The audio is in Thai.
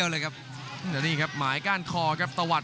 และนี้ครับหมายก้านคอแต่ตะวัด